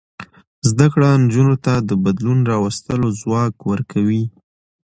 زده کړه نجونو ته د بدلون راوستلو ځواک ورکوي.